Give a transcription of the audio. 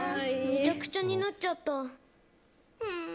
めちゃくちゃになっちゃった。